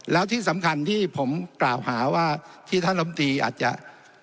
แล้วที่สำคัญที่ผมกล่าวหาว่าที่ท่านลำตีอาจจะ